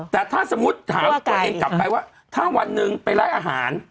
แต่ถ้าสมมุติถามตัวเองกลับไปว่าถ้าวันหนึ่งไปร้านอาหาร